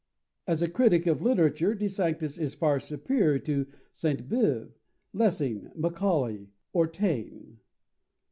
As a critic of literature, De Sanctis is far superior to Sainte Beuve, Lessing, Macaulay, or Taine.